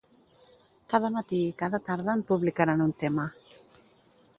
Cada matí i cada tarda en publicaran un tema.